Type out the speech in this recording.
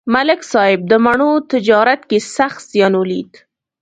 ملک صاحب د مڼو تجارت کې سخت زیان ولید.